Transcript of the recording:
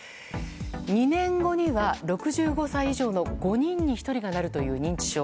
２年後には、６５歳以上の５人に１人がなるという認知症。